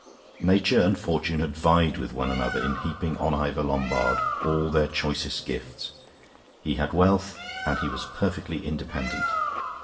Nature and fortune had vied with one another in heaping on Ivor Lombard all their choicest gifts. He had wealth and he was perfectly independent.